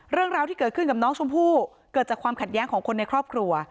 เรื่องราวที่เกิดขึ้นกับน้องชมพู่เกิดจากความขัดแย้งของคนในครอบครัว